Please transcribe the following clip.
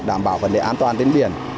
đảm bảo vấn đề an toàn trên biển